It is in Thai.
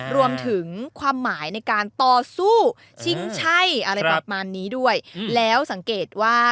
รวมถึงความหมายในการต่อสู้ชิงใช่อะไรประมาณนี้ด้วยแล้วสังเกตว่า